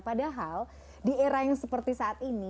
padahal di era yang seperti saat ini